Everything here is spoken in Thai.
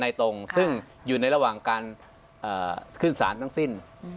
ตรงซึ่งอยู่ในระหว่างการขึ้นสารทั้งสิ้น